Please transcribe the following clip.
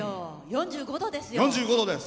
４５度ですよ！